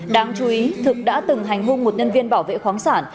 đáng chú ý thực đã từng hành hung một nhân viên bảo vệ khoáng sản